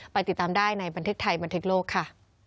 ติดตามได้ในบันทึกไทยบันทึกโลกค่ะ